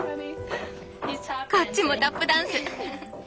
こっちもタップダンス。